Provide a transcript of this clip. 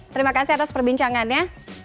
terima kasih atas perbincangannya